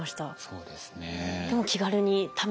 そうですね。